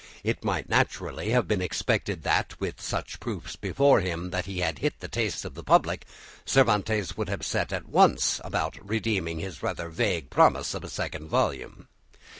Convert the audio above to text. It might naturally have been expected that, with such proofs before him that he had hit the taste of the public, Cervantes would have at once set about redeeming his rather vague promise of a second volume.